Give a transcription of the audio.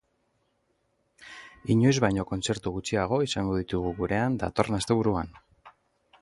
Inoiz baino kontzertu gutxiago izango ditugu gurean datorren asteburuan.